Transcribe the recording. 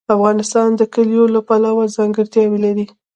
افغانستان د کلیو له پلوه ځانګړتیاوې لري.